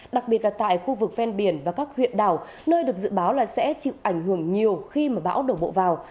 đặc biệt là tại khu vực ven biển và các huyện đảo nơi được dự báo là sẽ chịu ảnh hưởng nhiều khi mà bão đổ bộ vào